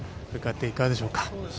いかがでしょうか？